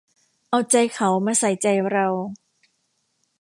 เอาใจเขามาใส่ใจเรา